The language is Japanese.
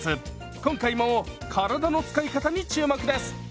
今回も体の使い方に注目です！